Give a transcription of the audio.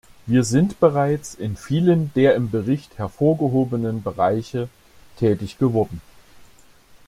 Wir sind bereits in vielen der im Bericht hervorgehobenen Bereiche tätig geworden.